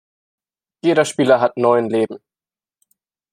Jeder Spieler hat neun „Leben“.